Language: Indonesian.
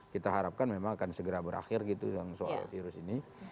kita harapkan memang akan segera berakhir gitu yang soal virus ini